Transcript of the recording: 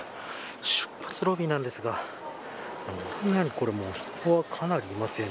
出発ロビーなんですが人が、かなりいますよね。